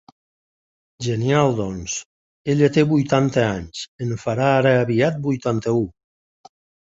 Genial doncs, ella té vuitanta anys, en fa ara aviat vuitanta-u.